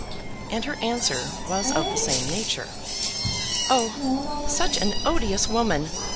And her answer was of the same nature. "Oh, such an odious woman!"